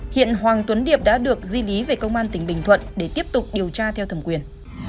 hiện hoàng tuấn điệp đã được di lý về công an tỉnh bình thuận để tiếp tục điều tra theo thẩm quyền